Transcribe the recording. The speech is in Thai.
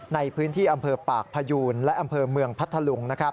ในพื้นที่อำเภอปากพยูนและอำเภอเมืองพัทธลุง